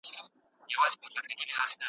ژباړه د پوهي په لېږد کي مرسته کوي.